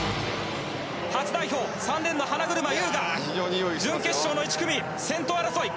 初代表３レーンの花車優が準決勝の１組先頭争い。